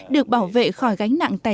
được bảo vệ khỏi gánh nặng tệ